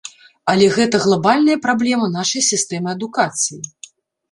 Але гэта глабальная праблема нашай сістэмы адукацыі.